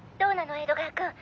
江戸川君。